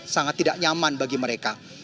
sangat tidak nyaman bagi mereka